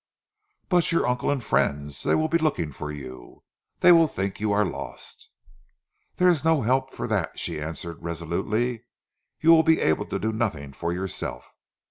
"But your uncle and friends. They will be looking for you, they will think you are lost." "There's no help for that," she answered resolutely. "You will be able to do nothing for yourself.